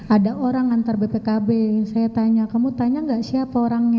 ada orang antar bpkb saya tanya kamu tanya nggak siapa orangnya